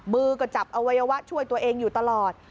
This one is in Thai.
มือก็จับอวัยวะช่วยตัวเองอยู่ตลอด